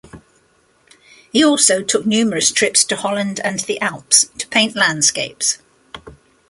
He also took numerous trips to Holland and the Alps to paint landscapes.